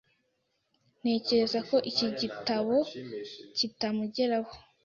Ntekereza ko iki gitabo kitamugeraho.